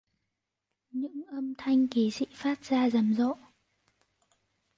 Những âm thanh kỳ dị phát ra rầm rộ